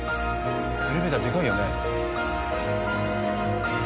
エレベーターでかいよね。